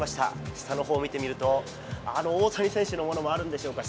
下のほう、見てみるとあの大谷選手のものもあるんでしょうか。